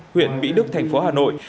huyện mỹ đức thành phố hà nội